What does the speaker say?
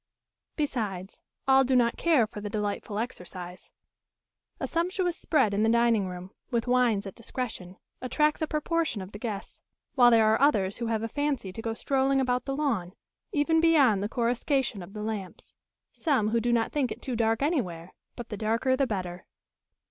Besides, all do not care for the delightful exercise. A sumptuous spread in the dining room, with wines at discretion, attracts a proportion of the guests; while there are others who have a fancy to go strolling about the lawn, even beyond the coruscation of the lamps; some who do not think it too dark anywhere, but the darker the better.